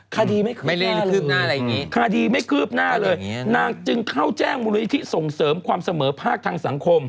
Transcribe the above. คดีไม่คืบหน้าเลยคดีไม่คืบหน้าเลยนางจึงเข้าแจ้งบุรุณิธิส่งเสริมความเสมอภาคทางสังคม